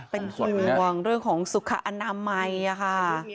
เป็นคือเรื่องของสุขอนามใหม่อ่ะค่ะ